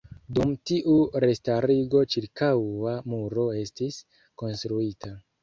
Dum tiu restarigo ĉirkaŭa muro estis konstruita.